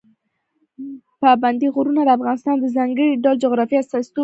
پابندی غرونه د افغانستان د ځانګړي ډول جغرافیه استازیتوب کوي.